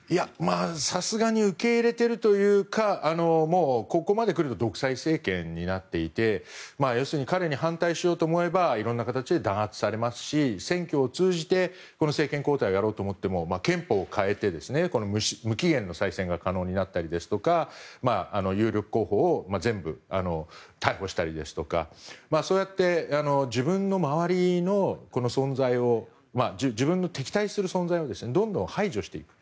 さすがに受け入れているというかここまでくると独裁政権になっていて要するに彼に反対しようと思えばいろいろな形で弾圧されますし選挙を通じてこの政権交代やろうと思っても憲法を変えて無期限の再選が可能になったりですとか有力候補を全部逮捕したりですとかそうやって自分の周りの存在を自分に敵対する存在をどんどん排除していく。